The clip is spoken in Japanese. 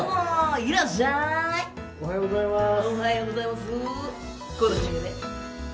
おはようございます。